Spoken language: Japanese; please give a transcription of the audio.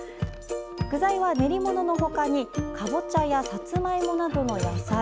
具材は練り物のほかにかぼちゃやさつまいもなどの野菜。